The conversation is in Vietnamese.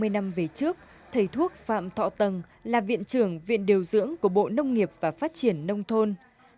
hai mươi năm về trước thầy thuốc phạm thọ tần là viện trưởng viện điều dưỡng của bộ nông nghiệp và phát triển nông thôn